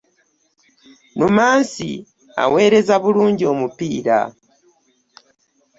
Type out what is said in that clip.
Lumansi aweereza bulungi omupiira.